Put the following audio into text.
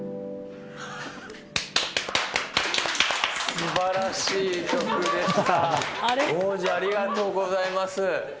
すばらしい曲でした。